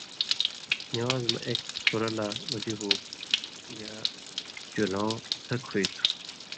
نِوان٘ز مہ ایک کھُرہ لا اُولی ہوں یا چُلؤں اڅھک ہُوئ تھُو۔